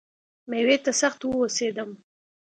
مېوې ته سخت وهوسېدم .